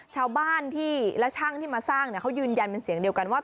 ชาวบ้านที่และช่างที่มาสร้างเขายืนยันเป็นเสียงเดียวกันว่า